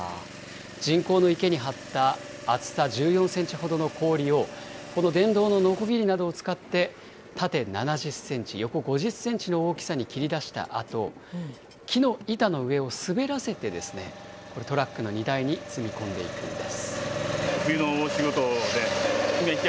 人工の池に張った厚さ１４センチほどの氷を、この電動ののこぎりなどを使って、縦７０センチ、横５０センチの大きさに切り出したあと、木の板の上を滑らせて、トラックの荷台に積み込んでいくんです。